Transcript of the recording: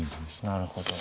なるほど。